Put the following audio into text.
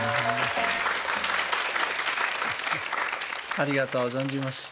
ありがとう存じます。